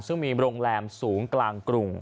ซึ่งมีโรงแรมสูงกลางกรุง